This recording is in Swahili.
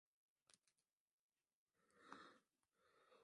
wataalamu wa afya duniani hawajapata dawa ya ugonjwa huo